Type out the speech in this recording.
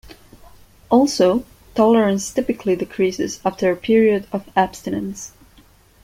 Also, tolerance typically decreases after a period of abstinence.